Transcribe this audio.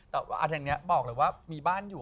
แต่ว่าทางนี้บอกเลยว่ามีบ้านอยู่